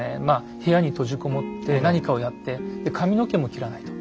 部屋に閉じ籠もって何かをやってで髪の毛も切らないと。